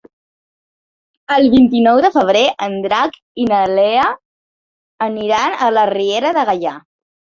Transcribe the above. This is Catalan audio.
El vint-i-nou de febrer en Drac i na Lea aniran a la Riera de Gaià.